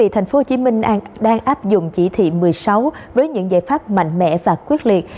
tp hcm đang áp dụng chỉ thị một mươi sáu với những giải pháp mạnh mẽ và quyết liệt